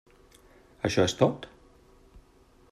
Això és tot?